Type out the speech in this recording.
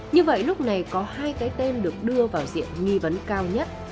như vậy lúc này có hai cái tên được đưa vào diện nghi vấn cao nhất